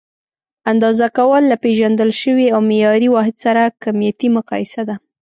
اندازه کول: له پېژندل شوي او معیاري واحد سره کمیتي مقایسه ده.